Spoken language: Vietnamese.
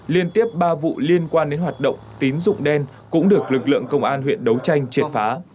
liên tiếp ba vụ liên quan đến hoạt động tín dụng đen cũng được lực lượng công an huyện đấu tranh triệt phá